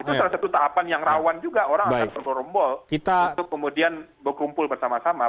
itu salah satu tahapan yang rawan juga orang orang yang berpuluh rombol untuk kemudian berkumpul bersama sama